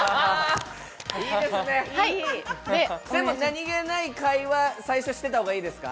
いいですね、何気ない会話、最初してた方がいいですか？